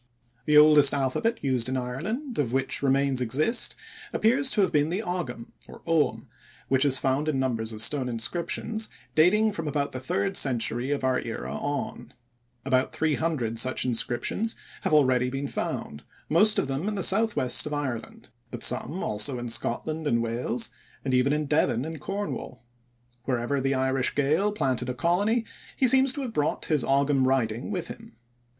The oldest alphabet used in Ireland of which remains exist appears to have been the Ogam, which is found in numbers of stone inscriptions dating from about the third century of our era on. About 300 such inscriptions have already been found, most of them in the southwest of Ireland, but some also in Scotland and Wales, and even in Devon and Cornwall. Wherever the Irish Gael planted a colony, he seems to have brought his Ogam writing with him.